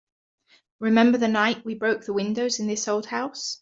Remember the night we broke the windows in this old house?